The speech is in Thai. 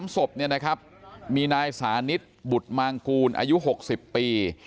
ศพเนี่ยนะครับมีนายสานิทบุตรมางกูลอายุ๖๐ปี